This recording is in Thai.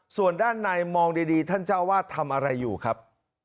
ส่วนด้านในมองดีท่านเจ้าวาดทำอะไรอยู่ครับ